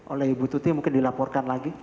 oleh ibu tuti mungkin dilaporkan lagi